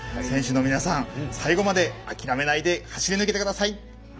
選手の皆さん最後まで諦めないで走り抜けてください！